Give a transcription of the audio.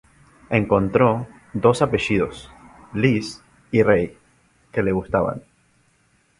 Encontró dos apellidos, Lys y Rey, que le gustaban.